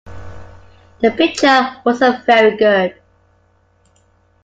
The picture wasn't very good.